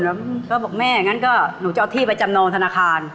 แล้วก็บอกเนี่ยหนูจะเอาที่ไปจำนองธนาคาร